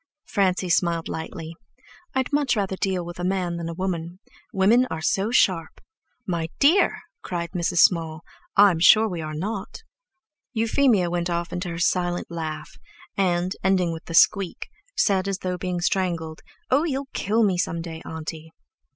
Francie smiled lightly. "I'd much rather deal with a man than a woman. Women are so sharp!" "My dear," cried Mrs. Small, "I'm sure we're not." Euphemia went off into her silent laugh, and, ending with the squeak, said, as though being strangled: "Oh, you'll kill me some day, auntie."